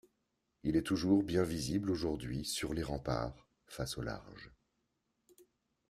Il est toujours bien visible aujourd’hui sur les remparts, face au large.